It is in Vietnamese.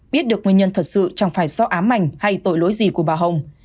biết được nguyên nhân thật sự chẳng phải do ám ảnh hay tội lỗi gì của bà hồng